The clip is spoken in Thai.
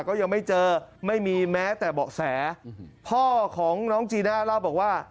ก็ยังไม่เจอไม่มีแม้แต่เบาะแสพ่อของน้องจีน่าเล่าบอกว่า